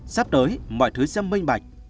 sắp tới mọi thứ sẽ minh bạch